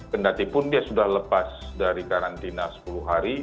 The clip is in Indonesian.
kendatipun dia sudah lepas dari karantina sepuluh hari